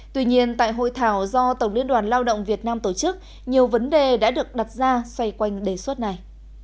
tuy nhiên tại hội thảo do tổng liên đoàn lao động việt nam tổ chức nhiều vấn đề đã được đặt ra xoay quanh đề xuất này